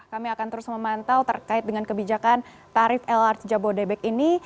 kami akan terus memantau terkait dengan kebijakan tarif lr seja bo daibag ini